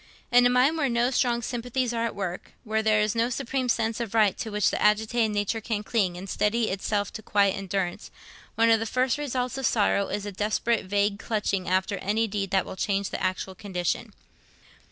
In a mind where no strong sympathies are at work, where there is no supreme sense of right to which the agitated nature can cling and steady itself to quiet endurance, one of the first results of sorrow is a desperate vague clutching after any deed that will change the actual condition.